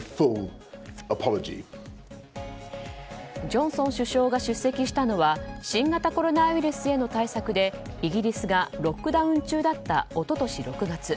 ジョンソン首相が出席したのは新型コロナウイルスへの対策でイギリスがロックダウン中だった一昨年６月。